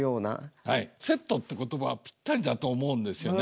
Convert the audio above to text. はいセットって言葉がぴったりだと思うんですよね。